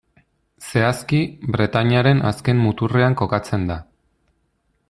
Zehazki, Bretainiaren azken muturrean kokatzen da.